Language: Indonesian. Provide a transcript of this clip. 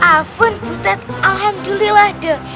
afun butet alhamdulillah deh